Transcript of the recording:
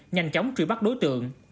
nhanh chóng truy bắt đối tượng